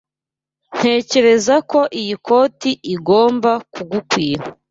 Ntekereza ko iyi koti igomba kugukwira.